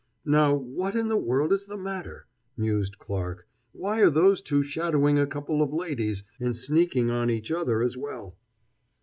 "Now, what in the world is the matter?" mused Clarke. "Why are those two shadowing a couple of ladies, and sneaking on each other as well?"